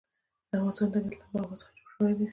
د افغانستان طبیعت له آب وهوا څخه جوړ شوی دی.